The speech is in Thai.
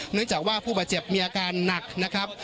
เนื่องจากว่าผู้บาดเจ็บมีอาการหนักนะครับ